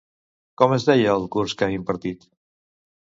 Com es deia el curs que ha impartit?